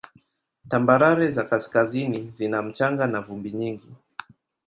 Tambarare za kaskazini zina mchanga na vumbi nyingi.